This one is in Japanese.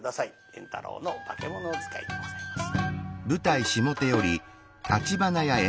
圓太郎の「化物使い」でございます。